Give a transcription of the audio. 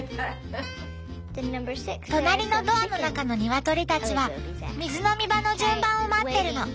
隣のドアの中のニワトリたちは水飲み場の順番を待ってるの。